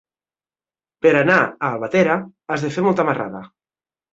Per anar a Albatera has de fer molta marrada.